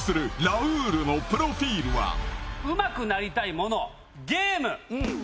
うまくなりたいものゲーム。